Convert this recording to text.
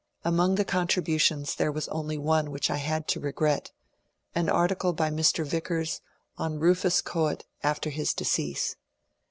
Among the contributions there was only one which I had to regret, — an article by Mr. Yickers on Ruf us Choate after his decease.